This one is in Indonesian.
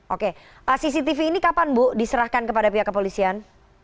oke cctv ini kapan bu diserahkan kepada pihak kepolisian